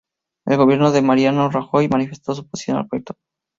El gobierno de Mariano Rajoy manifestó su oposición al proyecto.